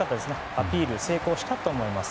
アピールに成功したと思います。